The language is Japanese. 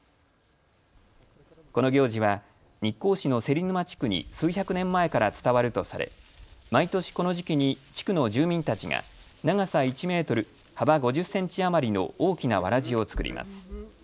この行事は日光市の芹沼地区に数百年前から伝わるとされ毎年この時期に地区の住民たちが長さ１メートル幅５０センチ余りの大きなわらじを作ります。